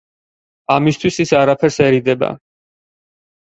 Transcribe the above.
ამისთვის ის არაფერს ერიდება.